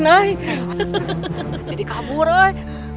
jadi kabur oi